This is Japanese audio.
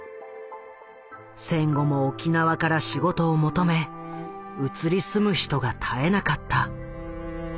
戦後も沖縄から仕事を求め移り住む人が絶えなかった。